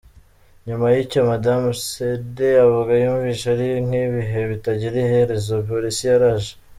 Nyuma y’icyo madamu Cede avuga yumvise ari nk’ibihe bitagira iherezo, polisi yaraje.